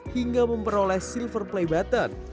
hingga memperoleh silver play button